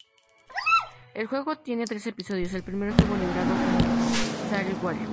El juego tiene tres episodios, el primero estuvo liberado como shareware.